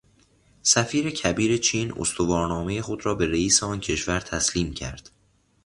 سفیر کبیر چین استوارنامهٔ خود را به رئیس آن کشور تسلیم کرد.